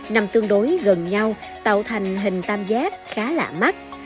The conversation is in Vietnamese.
nằm tương đối gần nhau tạo thành hình tam giác khá lạ mắt